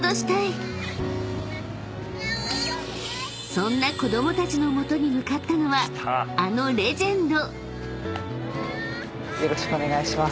［そんな子供たちの元に向かったのはあのレジェンド］